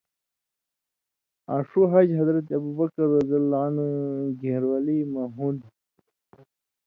آں ݜُو حج حضرت ابو بکرؓ ایں گھېن٘رولی مہ ہُون٘دوۡ۔